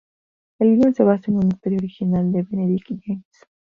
El guion se basa en una historia original de Benedict James.